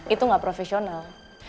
itu enggak profesional